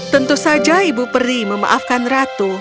tentu saja ibu peri memaafkan ratu